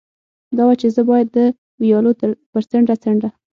دا وه، چې زه باید د ویالو پر څنډه څنډه.